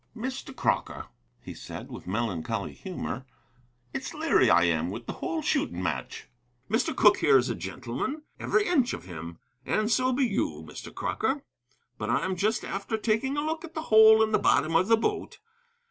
"Mr. Crocker," he said, with melancholy humor, "it's leery I am with the whole shooting match. Mr. Cooke here is a gentleman, every inch of him, and so be you, Mr. Crocker. But I'm just after taking a look at the hole in the bottom of the boat.